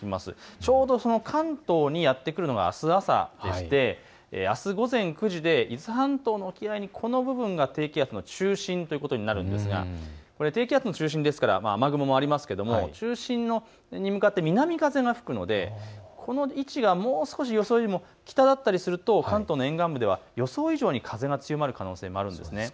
ちょうどその関東にやって来るのがあす朝でしてあす午前９時で伊豆半島の沖合にこの部分が低気圧の中心ということになるんですが低気圧の中心ですから雨雲もありますけれども中心に向かって南風が吹くのでこの位置がもう少し予想よりも北だったりすると関東の沿岸部では予想以上に風が強まる可能性があるんです。